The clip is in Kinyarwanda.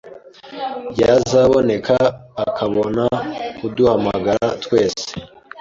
Byazaboneka akabona kuduhamagara twese